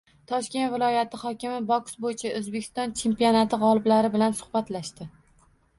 Toshkent viloyati hokimi boks bo‘yicha O‘zbekiston chempionati g‘oliblari bilan suhbatlashdi